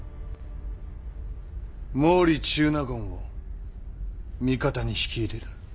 毛利中納言を味方に引き入れる。